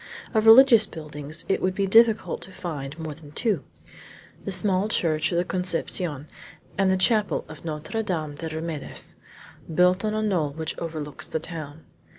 Of religious buildings it would be difficult to find more than two, the small Church of the Conception and the Chapel of Notre Dame des Remedes, built on a knoll which overlooks the town.